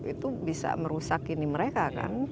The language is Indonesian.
itu bisa merusak ini mereka kan